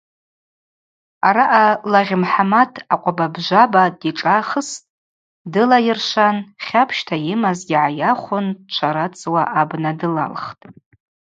Араъа Лагъь Мхӏамат акъвабабжваба дишӏахыстӏ, дылайыршван, хьапщта йымазгьи гӏайахвын дшварацуа абна дылалхтӏ.